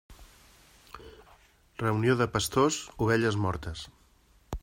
Reunió de pastors, ovelles mortes.